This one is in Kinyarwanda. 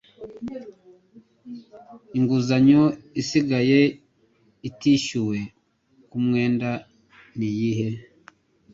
inguzanyo isigaye itishyuwe ku mwenda niyihe